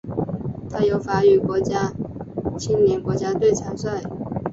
它由法语国家青年国家队参赛。